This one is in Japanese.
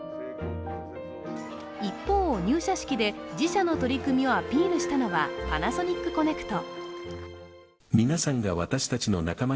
一方、入社式で自社の取り組みをアピールしたのはパナソニックコネクト。